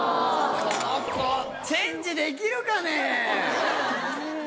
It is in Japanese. チェンジできるかね？